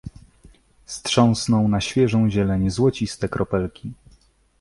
Strząsnął na świeżą zieleń złociste kropelki.